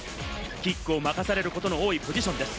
キックを任されることの多いポジションです。